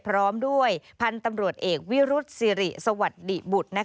พร้อมด้วยพันธุ์ตำรวจเอกวิรุษศิริสวัสดิบุตร